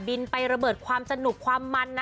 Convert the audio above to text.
ไประเบิดความสนุกความมันนะ